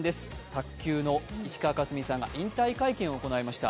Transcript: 卓球の石川佳純さんが引退会見を行いました。